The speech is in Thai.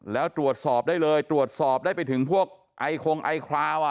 แล้วตรวจสอบได้เลยตรวจสอบได้ไปถึงพวกไอคงไอคราว